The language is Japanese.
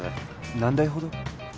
何台ほど？